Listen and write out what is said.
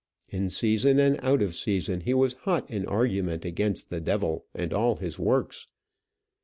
In season and out of season he was hot in argument against the devil and all his works.